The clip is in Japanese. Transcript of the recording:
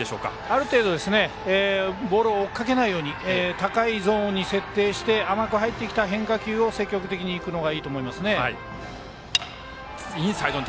ある程度、ボールを追いかけないように高いゾーンに設定して甘く入ってきた変化球を積極的にいくのがいいと思います。